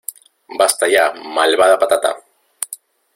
¡ Basta ya, malvada patata!